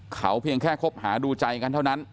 เขาเพียงแค่คบหาดูใจกันเท่านั้น